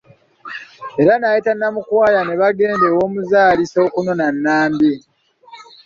Era n'ayita Namukwaya ne bagenda ew'omuzaalisa okunona Nambi.